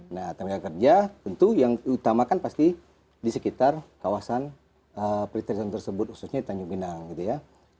nah tenaga kerja tentu yang diutamakan pasti di sekitar kawasan periteran tersebut khususnya di tanjung pinang gitu ya